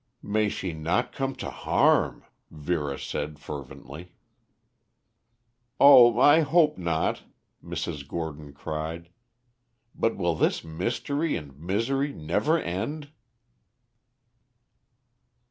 "May she not come to harm!" Vera said fervently. "Oh, I hope not," Mrs. Gordon cried. "But will this mystery and misery never end?"